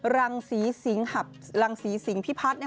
รังสีสิงหับรังสีสิงพี่พัศน์